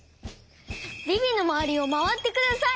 ビビのまわりをまわってください！